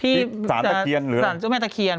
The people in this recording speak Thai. ที่สารตะเคียนหรือหรอกสารตะเคียน